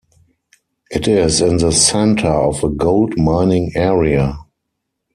It is in the centre of a gold mining area.